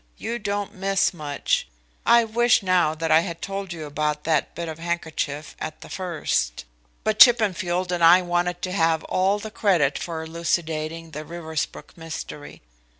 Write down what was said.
You don't miss much. I wish now that I had told you about that bit of handkerchief at the first. But Chippenfield and I wanted to have all the credit of elucidating the Riversbrook mystery.